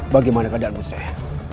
bagaimana keadaanmu seh